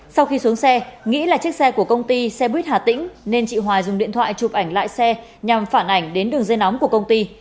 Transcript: sau khi xuống xe nghĩ là chiếc xe của công ty xe buýt hà tĩnh nên chị hoài dùng điện thoại chụp ảnh lại xe nhằm phản ảnh đến đường dây nóng của công ty